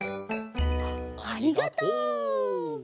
ありがとう。